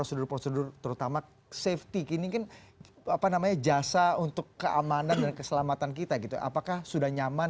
apakah keamanan dan keselamatan kita apakah sudah nyaman